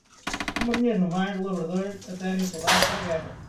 O marinheiro no mar; o labrador, a terra e o soldado, para a guerra.